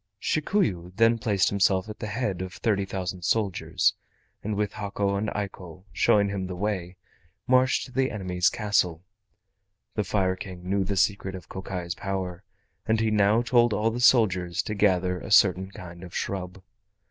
Shikuyu then placed himself at the head of thirty thousand soldiers, and with Hako and Eiko showing him the way, marched to the enemy's castle. The Fire King knew the secret of Kokai's power, and he now told all the soldiers to gather a certain kind of shrub.